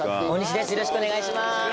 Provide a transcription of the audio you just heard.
お願いします！